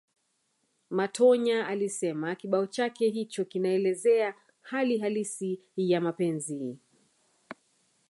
Matonya alisema kibao chake hicho kinaelezea hali halisi ya mapenzi